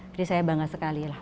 jadi saya bangga sekali lah